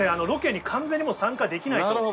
ロケに完全に参加できないと。